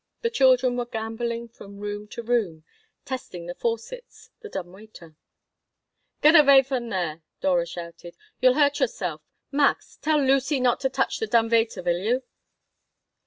The children were gamboling from room to room, testing the faucets, the dumb waiter "Get avey from there!" Dora shouted. "You'll hurt yourself. Max, tell Lucy not to touch the dumb vaiter, vill you?"